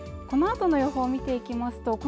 このあとの予報見ていきますと